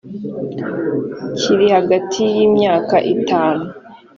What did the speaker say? kiri hagati y imyaka itanu